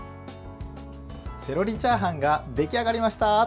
セロリチャーハンが出来上がりました。